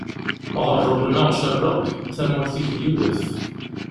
Ɣerreb neɣ cerreq, tamurt-ik yiwet.